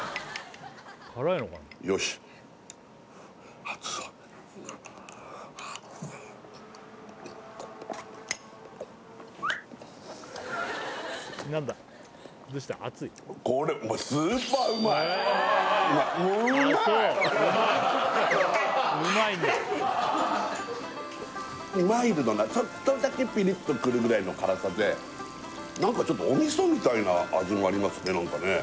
よし熱そうマイルドなちょっとだけピリッとくるぐらいの辛さで何かちょっとお味噌みたいな味もありますね